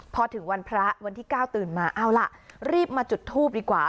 พอถึงวันพระวันที่๙ตื่นมาเอาล่ะรีบมาจุดทูปดีกว่า